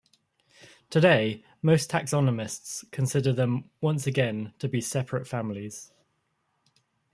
Today, most taxonomists consider them once again to be separate families.